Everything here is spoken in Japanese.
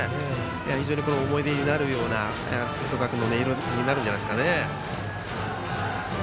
本当に思い出になるような吹奏楽の音色になるんじゃないですかね。